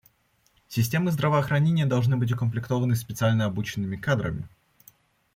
Системы здравоохранения должны быть укомплектованы специально обученными кадрами.